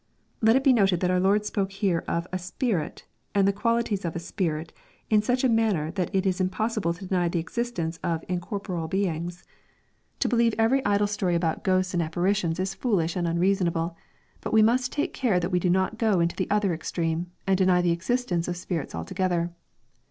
Let it be noted that our Lord spoke here of "a spirit," and the qualities of " a spirit," in such a manner that it is impossible to deny the existence cf incorporeal beings. To believe every LUKE, CHAP. XXIV. 515 idle story about ghosts and apparitions is foolish and unreasonable. But we must take care that we do not go into the other extreme, and deny the existence of spirits altogether.